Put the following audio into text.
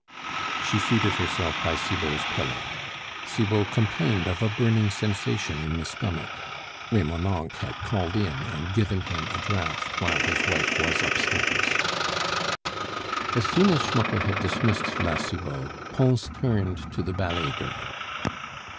She seated herself by Cibot's pillow. Cibot complained of a burning sensation in the stomach. Remonencq had called in and given him a draught while his wife was upstairs. As soon as Schmucke had dismissed La Cibot, Pons turned to the ballet girl.